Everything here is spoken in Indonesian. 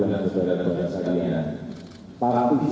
untuk kekuasaan yang pasti